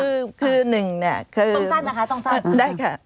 คือคือหนึ่งเนี่ยคือต้องสั้นนะคะต้องสั้น